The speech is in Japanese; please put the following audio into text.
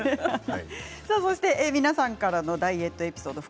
皆さんからのダイエットエピソード